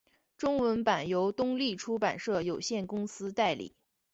中文版由东立出版社有限公司代理。